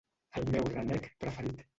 El meu renec preferit